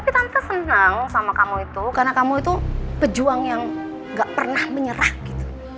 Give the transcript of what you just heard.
tapi tante senang sama kamu itu karena kamu itu pejuang yang gak pernah menyerah gitu